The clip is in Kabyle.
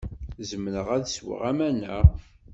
Zemreɣ ad sweɣ aman-a?